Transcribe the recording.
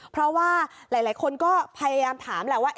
เพราะว่าหลายคนก็พยายามถามแหละว่า